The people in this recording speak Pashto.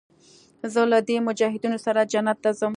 زه له دې مجاهدينو سره جنت ته ځم.